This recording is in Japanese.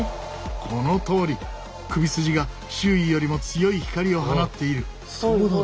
このとおり首筋が周囲よりも強い光を放っている。